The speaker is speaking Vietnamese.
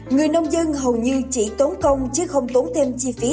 người nông dân hầu như chỉ tốn công chứ không tốn thêm chi phí